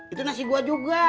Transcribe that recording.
itu nasi gue juga